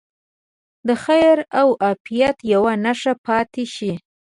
د خیر او عافیت یوه نښه پاتې شي.